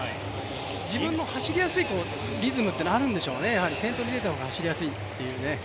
自分の走りやすいリズムっていうのがあるんでしょうね、先頭に出た方が走りやすいっていうね。